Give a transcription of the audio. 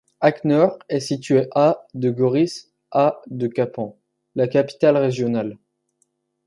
Akner est située à de Goris et à de Kapan, la capitale régionale.